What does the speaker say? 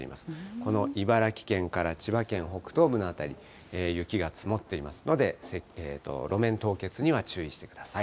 この茨城県から千葉県北東部の辺り、雪が積もっていますので、路面凍結には注意してください。